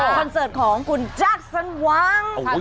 คอนเสิร์ตของคุณแจ็คสันหวัง